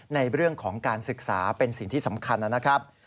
ในเรื่องของการศึกษาเป็นสิ่งที่สำคัญนะครับ